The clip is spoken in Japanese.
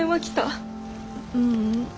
ううん。